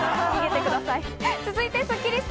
続いてスッキりす。